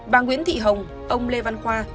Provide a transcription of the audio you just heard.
bà nguyễn thị hồng ông lê văn khoa